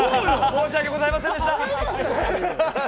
申し訳ございませんでした。